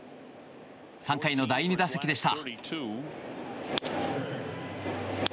３回の第２打席でした。